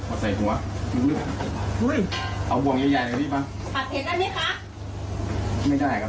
ออกใส่หัวเอาบ่องใหญ่ใหญ่หน่อยสิป่ะอาเทียนได้ไหมคะ